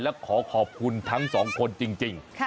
และขอขอบคุณทั้งสองคนจริง